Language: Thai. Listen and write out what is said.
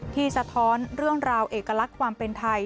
สะท้อนเรื่องราวเอกลักษณ์ความเป็นไทย